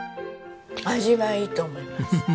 味はいいと思います。